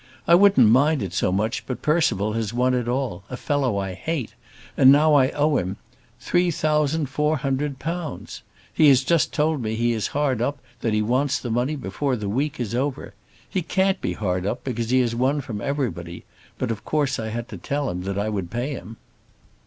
I wouldn't mind it so much but Percival has won it all, a fellow I hate; and now I owe him three thousand four hundred pounds! He has just told me he is hard up and that he wants the money before the week is over. He can't be hard up because he has won from everybody; but of course I had to tell him that I would pay him.